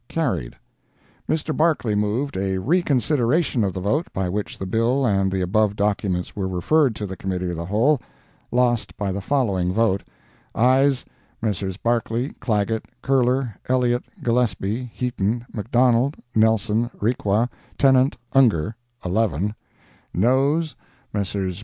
Carried. Mr. Barclay moved a re consideration of the vote by which the bill and the above documents were referred to Committee of the Whole. Lost by the following vote: AYES—Messrs. Barclay, Clagett, Curler, Elliott, Gillespie, Heaton, McDonald, Nelson, Requa, Tennant, Ungar—11 NOES Messrs.